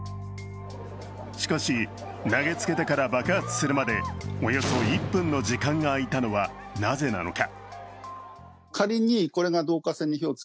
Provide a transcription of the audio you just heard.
しかし、投げつけてから爆発するまで、およそ１分の時間が空いたのはなぜなのか。